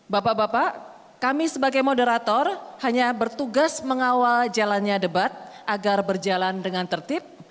bapak bapak kami sebagai moderator hanya bertugas mengawal jalannya debat agar berjalan dengan tertib